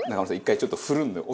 １回ちょっと振るんだよ。